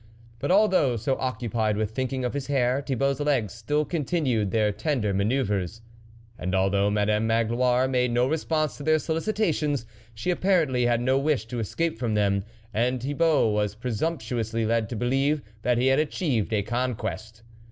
But al though so occupied with thinking of his hair, Thibault's legs still continued their tender manoeuvres; and although Madame Magloire made no response to their solicir tations, she apparently had no wish to escape from them, and Thibault was pre sumptuously led to believe that he had achieved a conquest.